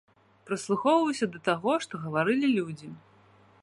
Прыслухоўваўся да таго, што гаварылі людзі.